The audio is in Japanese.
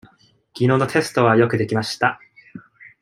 きのうのテストはよくできました。